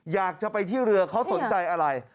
อยากจะไปที่เรือเขาสนใจอะไร